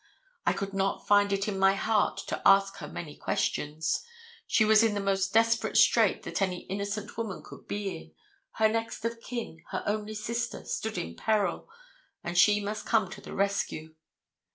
I could not find it in my heart to ask her many questions. She was in the most desperate strait that any innocent woman could be in, her next of kin, her only sister, stood in peril, and she must come to the rescue.